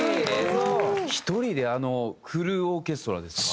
１人であのフルオーケストラですか。